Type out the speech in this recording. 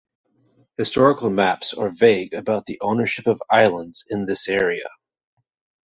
Historical maps are vague about the ownership of islands in this area.